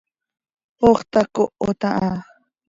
¡Ox tacohot aha!